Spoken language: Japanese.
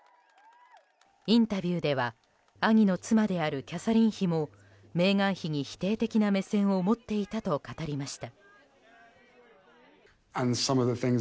インタビューでは兄の妻であるキャサリン妃もメーガン妃に否定的な目線を持っていたと語りました。